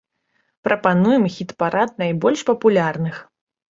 Прапануем хіт-парад найбольш папулярных.